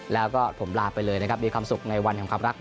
แล้วก็ผมลาไปเลยนะครับ